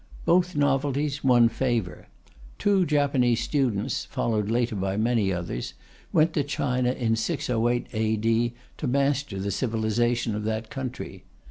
Both novelties won favour. Two Japanese students (followed later by many others) went to China in 608 A.D., to master the civilization of that country.